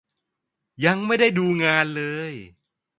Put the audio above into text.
ยังไม่ได้ดูงานเลย